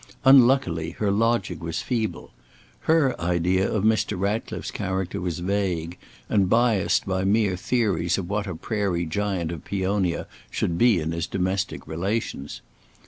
Unluckily, her logic was feeble. Her idea of Mr. Ratcliffe's character was vague, and biased by mere theories of what a Prairie Giant of Peonia should be in his domestic relations.